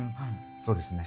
そうですね。